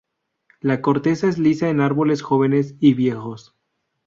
La corteza es lisa en árboles jóvenes y viejos.